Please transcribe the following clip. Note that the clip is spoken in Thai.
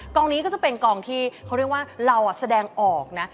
กองนี้ก็จะเป็นกองที่เขาเรียกว่าเราแสดงออกนะ